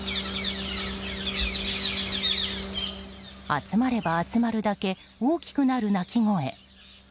集まれば集まるだけ大きくなる鳴き声。